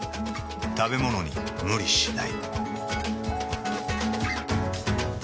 食べものに無理しない。